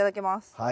はい。